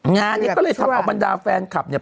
งานนี้ก็เลยทำเอาบรรดาแฟนคลับเนี่ย